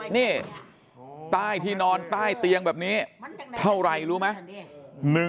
นี่ใต้ที่นอนใต้เตียงแบบนี้เท่าไหร่รู้ไหม